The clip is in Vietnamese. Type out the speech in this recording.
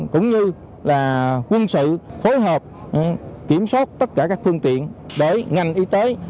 cũng như là quân sự phối hợp kiểm soát tất cả các phương tiện để ngành y tế